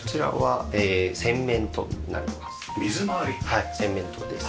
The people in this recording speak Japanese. はい洗面所です。